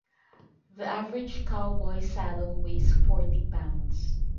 The average cowboy saddle weighs forty pounds.